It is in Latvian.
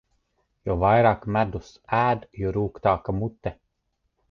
Jo vairāk medus ēd, jo rūgtāka mute.